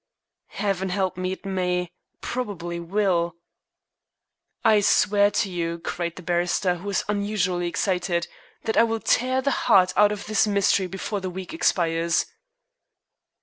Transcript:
"Heaven help me, it may probably will." "I swear to you," cried the barrister, who was unusually excited, "that I will tear the heart out of this mystery before the week expires."